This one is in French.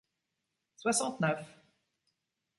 soixante-neuf